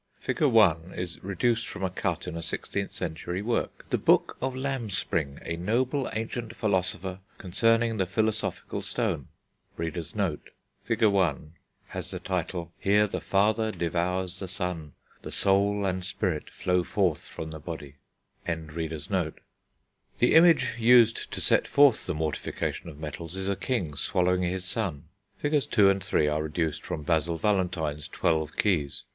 Fig. I. is reduced from a cut in a 16th century work, The Book of Lambspring, a noble ancient Philosopher, concerning the Philosophical Stone. [Illustration: Here the father devours the son; The soul and spirit flow forth from the body. FIG. I.] The image used to set forth the mortification of metals is a king swallowing his son. Figs. II. and III. are reduced from Basil Valentine's Twelve Keys.